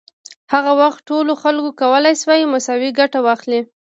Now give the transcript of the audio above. هغه وخت ټولو خلکو کولای شوای مساوي ګټه واخلي.